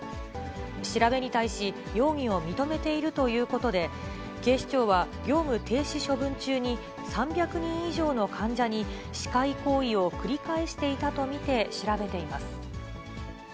調べに対し、容疑を認めているということで、警視庁は、業務停止処分中に、３００人以上の患者に歯科医行為を繰り返していたと見て調べています。